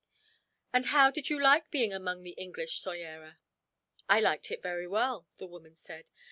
"And how did you like being among the English, Soyera?" "I liked it very well," the woman said.